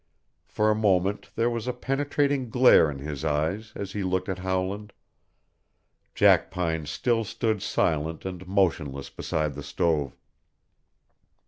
For a moment there was a penetrating glare in his eyes as he looked at Howland. Jackpine still stood silent and motionless beside the stove.